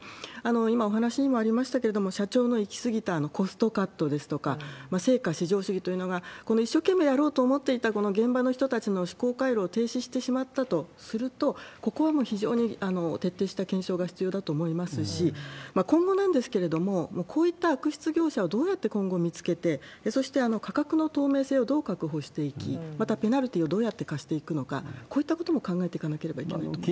今、お話にもありましたけれども、社長のいき過ぎたコストカットですとか、成果至上主義というのが、一生懸命やろうと思っていたこの現場の人たちの思考回路を停止してしまったとすると、ここはもう非常に徹底した検証が必要だと思いますし、今後なんですけれども、こういった悪質業者をどうやって今後見つけて、そして、価格の透明性をどう確保していき、またペナルティをどうやって科していくのか、こういったことも考えていかなければいけないと思いますね。